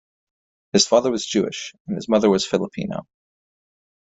His father was Jewish and his mother was Filipino.